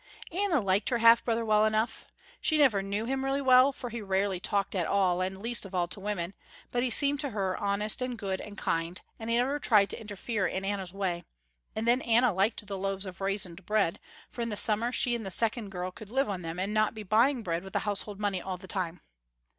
Anna liked her half brother well enough. She never knew him really well, for he rarely talked at all and least of all to women, but he seemed to her, honest, and good and kind, and he never tried to interfere in Anna's ways. And then Anna liked the loaves of raisined bread, for in the summer she and the second girl could live on them, and not be buying bread with the household money all the time.